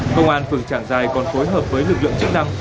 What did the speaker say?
công an phường tràng giai còn phối hợp với lực lượng chức năng